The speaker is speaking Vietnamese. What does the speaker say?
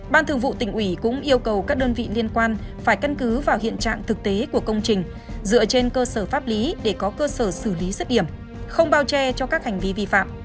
ban thường vụ tỉnh ủy cũng yêu cầu các đơn vị liên quan phải cân cứ vào hiện trạng thực tế của công trình dựa trên cơ sở pháp lý để có cơ sở xử lý dứt điểm không bao che cho các hành vi vi phạm